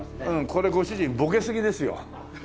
これご主人ボケすぎですよ。